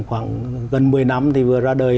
khoảng gần một mươi năm thì vừa ra đời